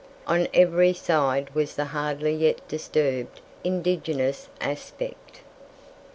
On every side was the hardly yet disturbed indigenous aspect.